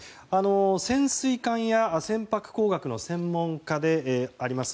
潜水艦や船舶工学の専門家であります